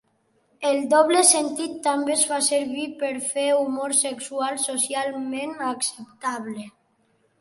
El doble sentit també es fa servir per fer humor sexual socialment acceptable.